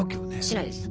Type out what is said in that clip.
しないです。